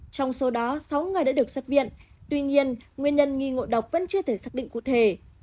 trong số đó sáu người đã được xuất viện tuy nhiên nguyên nhân nghi ngộ độc vẫn chưa thể xác định cụ thể